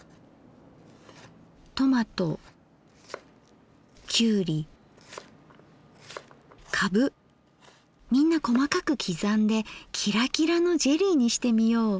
トマトきゅうりカブみんな細かく刻んでキラキラのジェリーにしてみよう。